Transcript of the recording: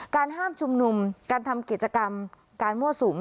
การห้ามชุมนุมการทำกิจกรรมการมั่วสุม